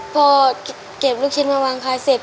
พอเก็บลูกชิ้นมาวางขายเสร็จ